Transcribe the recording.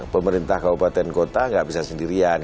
pemerintah kabupaten kota nggak bisa sendirian